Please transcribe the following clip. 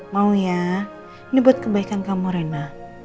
mau ya ini buat kebaikan kamu rena